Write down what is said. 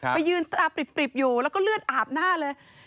ไปยืนตาปริบอยู่แล้วก็เลือดอาบหน้าเลย